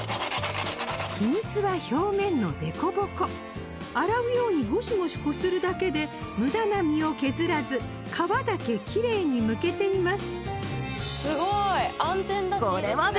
秘密は表面の凸凹洗うようにゴシゴシこするだけで無駄な身を削らず皮だけキレイにむけています